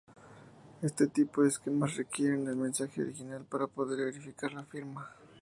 Este tipo de esquemas requieren el mensaje original para poder verificar la firma.